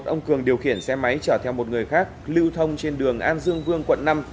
ông cường điều khiển xe máy chở theo một người khác lưu thông trên đường an dương vương quận năm